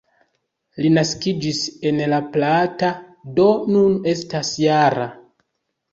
Li naskiĝis en La Plata, do nun estas -jara.